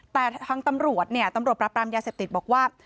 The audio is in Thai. แต่ทางตำรวจตำรวจปรับปรามยาเสพติธรรมบอกว่า